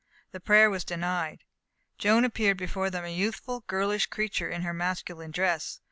The prayer was denied. Joan appeared before them a youthful, girlish creature in her masculine dress.